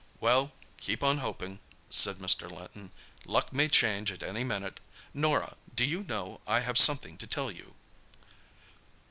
"Well, keep on hoping," said Mr. Linton; "luck may change at any minute. Norah, do you know, I have something to tell you?"